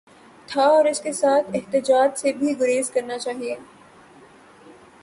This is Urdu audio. تھا اور اس کے ساتھ احتجاج سے بھی گریز کرنا چاہیے۔